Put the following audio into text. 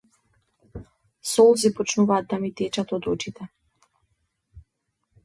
Солзи почнуваат да ми течат од очите.